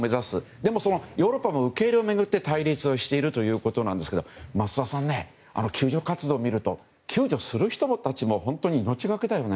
でもヨーロッパも受け入れを巡って対立をしているということなんですが増田さん、救助活動を見ると救助するほうの立場も本当に命がけだよね。